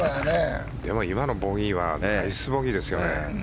でも、今のボギーはナイスボギーですよね。